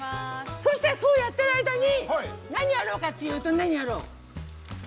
◆そしてそうやってる間に、何をやるのかというと、何やろう。